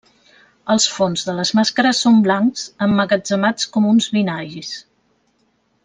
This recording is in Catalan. Els fons de les màscares són blancs, emmagatzemats com uns binaris.